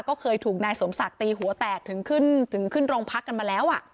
ก็เคยถูกนายสมศักดิ์ตีหัวแตกถึงขึ้นถึงขึ้นโรงพักกันมาแล้ว